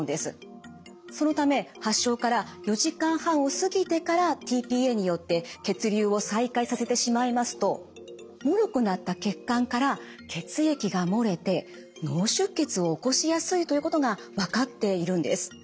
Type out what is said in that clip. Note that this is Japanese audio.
そのため発症から４時間半を過ぎてからｔ−ＰＡによって血流を再開させてしまいますともろくなった血管から血液が漏れて脳出血を起こしやすいということが分かっているんです。